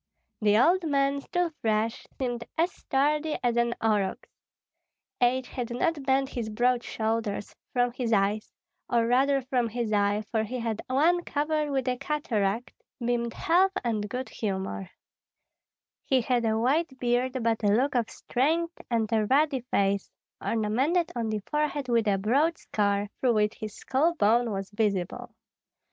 The old man, still fresh, seemed as sturdy as an aurochs. Age had not bent his broad shoulders; from his eyes or rather from his eye, for he had one covered with a cataract beamed health and good humor; he had a white beard, but a look of strength and a ruddy face, ornamented on the forehead with a broad scar, through which his skull bone was visible.